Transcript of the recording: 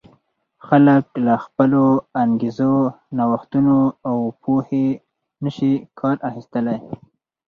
خلک له خپلو انګېزو، نوښتونو او پوهې نه شي کار اخیستلای.